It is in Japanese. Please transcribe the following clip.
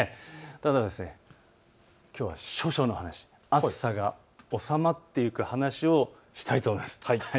ただきょうは処暑のお話、暑さが収まっていく話をしたいと思います。